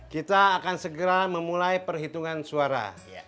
kita akan segera memulai perhitungan suara